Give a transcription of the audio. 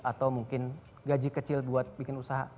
atau mungkin gaji kecil buat bikin usaha